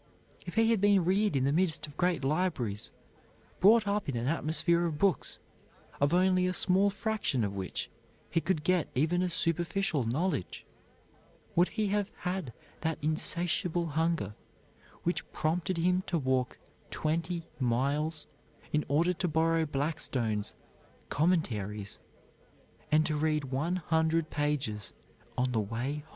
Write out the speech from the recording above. If he had been reared in the midst of great libraries, brought up in an atmosphere of books, of only a small fraction of which he could get even a superficial knowledge, would he have had that insatiable hunger which prompted him to walk twenty miles in order to borrow Blackstone's "Commentaries" and to read one hundred pages on the way home?